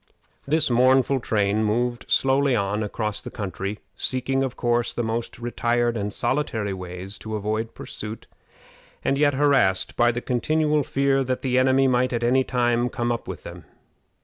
] This mournful train moved slowly on across the country, seeking, of course, the most retired and solitary ways to avoid pursuit, and yet harassed by the continual fear that the enemy might at any time come up with them.